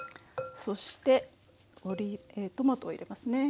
そしてトマトを入れますね。